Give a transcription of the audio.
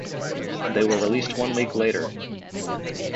They were released one week later.